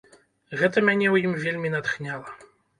Гэта мяне ў ім вельмі натхняла.